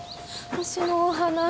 私のお花。